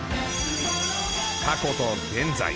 過去と現在。